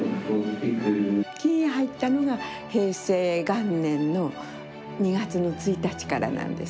棋院入ったのが平成元年の２月の１日からなんです。